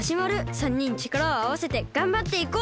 ３にんちからをあわせてがんばっていこう！